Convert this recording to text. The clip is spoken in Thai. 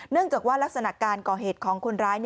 จากว่ารักษณะการก่อเหตุของคนร้าย